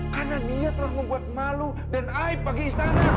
karena dia telah membuat malu dan aib bagi istana